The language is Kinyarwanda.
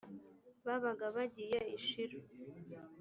babaga bagiye i shilo